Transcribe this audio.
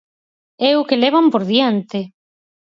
É o que levan por diante.